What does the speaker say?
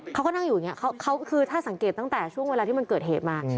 เขาก็นั่งอยู่อย่างนี้คือถ้าสังเกตตั้งแต่ช่วงเวลาที่มันเกิดเหตุมา